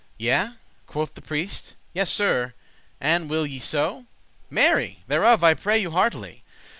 "Yea," quoth the priest; "yea, Sir, and will ye so? Mary! thereof I pray you heartily."